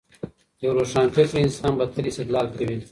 یو روښانه فکره انسان به تل استدلال کوي.